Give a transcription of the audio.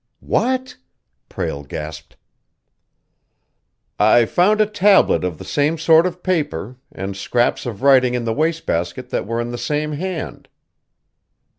"What?" Prale gasped. "I found a tablet of the same sort of paper, and scraps of writing in the wastebasket that were in the same hand.